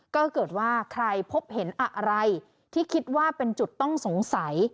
ก็เกิดว่าใครพบเห็นอะไรที่คิดว่าเป็นจุดต้องสงสัย